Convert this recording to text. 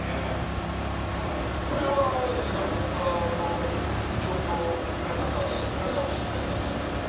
これはいろんなコンプラの状況の中で手直し入ったりしたんですか？